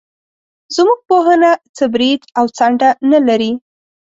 زموږ پوهنه څه برید او څنډه نه لري.